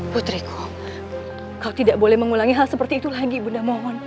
putriku kau tidak boleh mengulangi hal seperti itu lagi bunda mohon